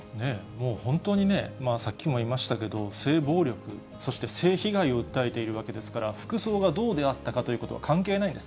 本当にね、さっきも言いましたけど、性暴力、そして性被害を訴えているわけですから、服装がどうであったかということは関係ないんです。